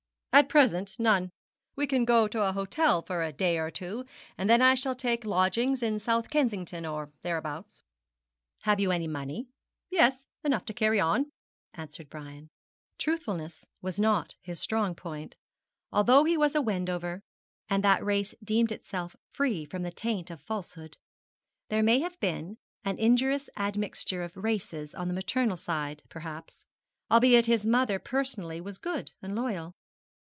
'At present none. We can go to an hotel for a day or two, and then I shall take lodgings in South Kensington, or thereabouts.' 'Have you any money?' 'Yes enough to carry on,' answered Brian. Truthfulness was not his strong point, although he was a Wendover, and that race deemed itself free from the taint of falsehood. There may have been an injurious admixture of races on the maternal side, perhaps; albeit his mother personally was good and loyal.